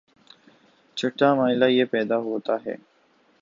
چھٹا مألہ یہ پیدا ہوتا ہے